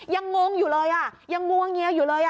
งงอยู่เลยอ่ะยังงวงเงียอยู่เลย